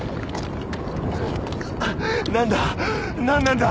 何だ？